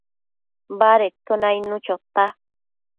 badedquio nainnu chota